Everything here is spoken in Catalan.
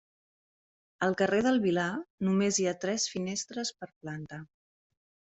Al carrer del Vilar només hi ha tres finestres per planta.